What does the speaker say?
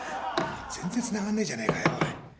全然つながんねえじゃねえかよおい！